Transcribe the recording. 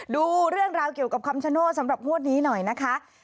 ดูเรื่องราวเกี่ยวกับคำชโนธสำหรับงวดนี้หน่อยนะคะ